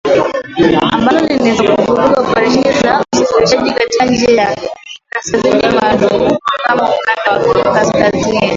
Ambalo linaweza kuvuruga operesheni za usafirishaji katika njia ya kaskazini maarufu kama Ukanda wa Kaskazini.